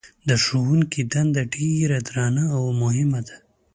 د ښوونکي دنده ډېره درنه او مهمه ده.